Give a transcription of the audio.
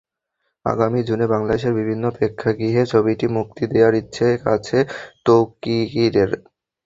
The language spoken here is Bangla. আগামী জুনে বাংলাদেশের বিভিন্ন প্রেক্ষাগৃহে ছবিটি মুক্তি দেওয়ার ইচ্ছে আছে তৌকীরের।